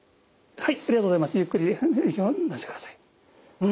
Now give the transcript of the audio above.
はい。